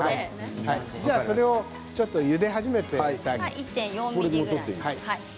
じゃあ、それをちょっとゆで始めましょうか。